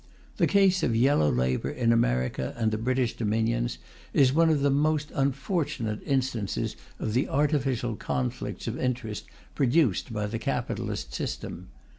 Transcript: The case of yellow labour in America and the British Dominions is one of the most unfortunate instances of the artificial conflicts of interest produced by the capitalist system.